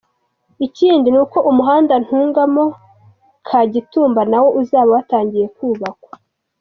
Ikindi ni uko umuhanda Ntungamo-Kagitumba na wo uzaba watangiye kubakwa.